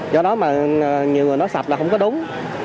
do đó mà nhiều người nói sập là không có đúng